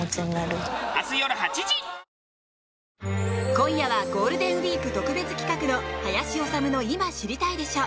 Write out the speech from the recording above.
今夜はゴールデンウィーク特別企画の「林修の今知りたいでしょ！」。